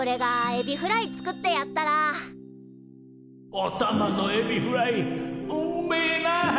おたまのエビフライうんめえな！